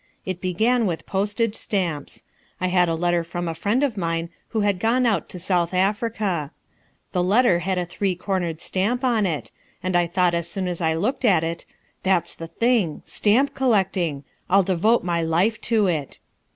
It began with postage stamps. I had a letter from a friend of mine who had gone out to South Africa. The letter had a three cornered stamp on it, and I thought as soon as I looked at it, "That's the thing! Stamp collecting! I'll devote my life to it."